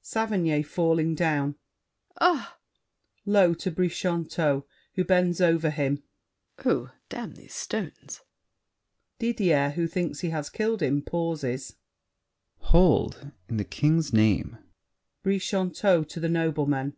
SAVERNY (falling down). Ah! [Low to Brichanteau, who bends over him. Oh, damn these stones. [Didier, who thinks he has killed him, pauses. CAPTAIN OF THE DISTRICT. Hold! In the King's name! BRICHANTEAU (to the noblemen).